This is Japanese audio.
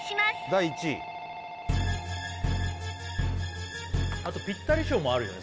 第１位あとピッタリ賞もあるよね